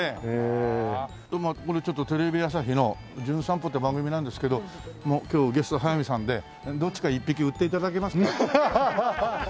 これちょっとテレビ朝日の『じゅん散歩』って番組なんですけど今日ゲスト速水さんでどっちか１匹売って頂けますか？